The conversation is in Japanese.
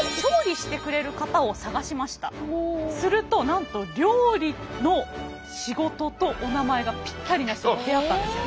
なのでするとなんと料理の仕事とおなまえがピッタリな人と出会ったんですよ。